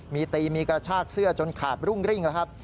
มีตีมีกระชากเสื้อจนขาดรุ่งริ่งแล้วครับ